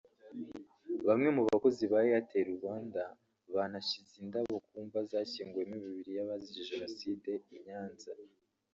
Bamwe mu bakozi ba Airtel Rwanda banashyize indabo ku mva zishyinguyemo imibiri y'abazize Jenoside i Nyanza